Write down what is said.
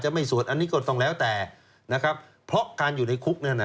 ไม่สวดอันนี้ก็ต้องแล้วแต่นะครับเพราะการอยู่ในคุกนั่นน่ะ